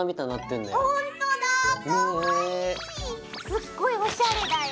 すっごいおしゃれだよ。